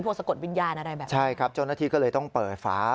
สะกดวิญญาณอะไรแบบนี้ใช่ครับเจ้าหน้าที่ก็เลยต้องเปิดฝา